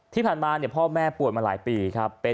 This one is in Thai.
ที่ผ่านมาพ่อแม่ป่วยมาหลายปีครับ